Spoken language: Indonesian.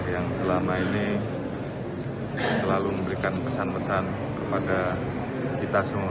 yang selama ini selalu memberikan pesan pesan kepada kita semua